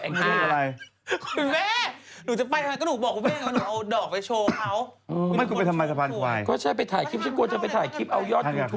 อะบทชิคกี้พาย